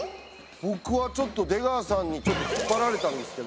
ボクは出川さんにちょっと引っ張られたんですけど。